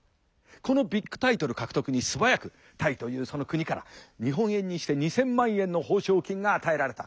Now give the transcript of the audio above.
このビッグタイトル獲得に素早くタイというその国から日本円にして２，０００万円の報奨金が与えられた。